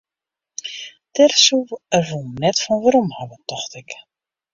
Dêr soe er wol net fan werom hawwe, tocht ik.